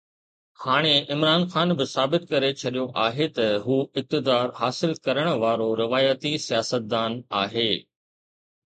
هاڻي عمران خان به ثابت ڪري ڇڏيو آهي ته هو اقتدار حاصل ڪرڻ وارو روايتي سياستدان آهي.